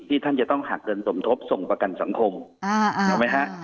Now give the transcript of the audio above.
ท่านจะต้องหักเงินสมทบส่งประกันสังคมไหมฮะ